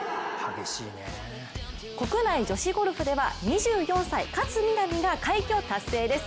国内女子ゴルフでは２４歳、勝みなみが快挙達成です。